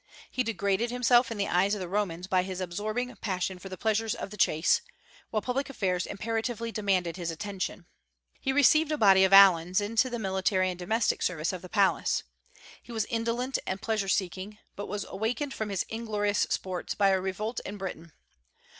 He degraded himself in the eyes of the Romans by his absorbing passion for the pleasures of the chase; while public affairs imperatively demanded his attention. He received a body of Alans into the military and domestic service of the palace. He was indolent and pleasure seeking, but was awakened from his inglorious sports by a revolt in Britain.